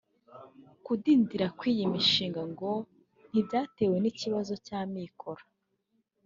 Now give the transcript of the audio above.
Kudindira kw’iyi mishinga ngo ntibyatewe n’ikibazo cy’amikoro